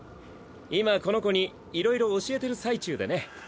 今この子にいろいろ教えてる最中でね。